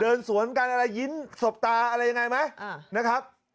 เดินสวนกันยิ้นสบตาอะไรอย่างไรไหมนะครับ